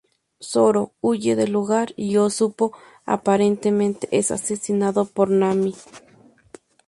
Zoro huye del lugar y Usopp aparentemente es asesinado por Nami.